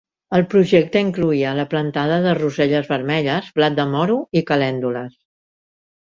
El projecte incloïa la plantada de roselles vermelles, blat de moro i caléndules.